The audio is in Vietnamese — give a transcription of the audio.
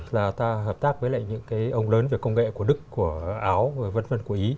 thực ra ta hợp tác với lại những ông lớn về công nghệ của đức của áo v v của ý